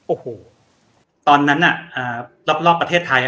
โอ้โหตอนนั้นอ่ะอ่ารอบรอบประเทศไทยอ่ะ